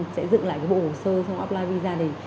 thì các trung tâm sẽ dựng lại cái bộ hồ sơ xong apply visa này